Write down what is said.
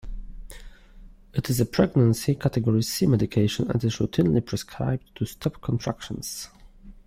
It is a pregnancy category C medication and is routinely prescribed to stop contractions.